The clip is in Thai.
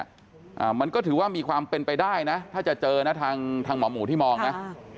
อ่ามันก็ถือว่ามีความเป็นไปได้นะถ้าจะเจอนะทางทางหมอหมูที่มองนะ